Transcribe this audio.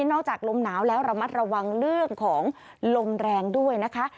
จากลมหนาวแล้วระมัดระวังเรื่องของลมแรงด้วยนะคะ